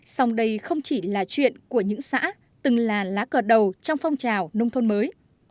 song đây không chỉ là chuyện của những xã từng là lá cờ đầu trong phong trào nông thôn mới